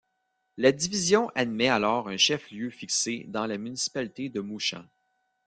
La division admet alors un chef-lieu fixé dans la municipalité de Mouchamp.